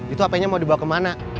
itu hp nya mau dibawa kemana